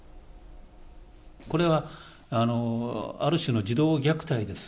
これはある種の児童虐待です。